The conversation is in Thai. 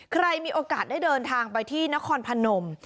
ใครมีโอกาสได้เดินทางไปที่นครพนม